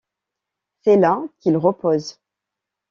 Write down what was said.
C'est là qu'il repose.